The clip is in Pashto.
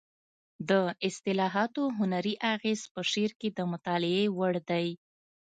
د اصطلاحاتو هنري اغېز په شعر کې د مطالعې وړ دی